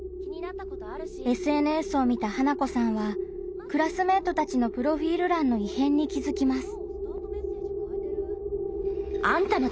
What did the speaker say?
ＳＮＳを見た花子さんはクラスメートたちのプロフィール欄の異変に気づきます。